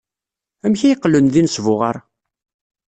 Amek ay qqlen d inesbuɣar?